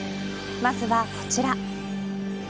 まずはこちら。